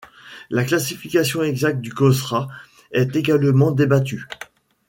La classification exacte du kosrae est également débattue.